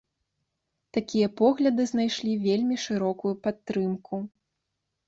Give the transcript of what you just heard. Такія погляды знайшлі вельмі шырокую падтрымку.